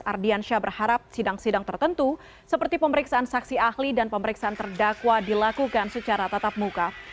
ardiansyah berharap sidang sidang tertentu seperti pemeriksaan saksi ahli dan pemeriksaan terdakwa dilakukan secara tatap muka